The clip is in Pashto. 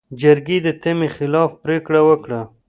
جرګې د تمې خلاف پرېکړه وکړه.